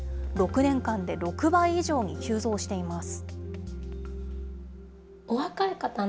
６年間で６倍以上に急増しています。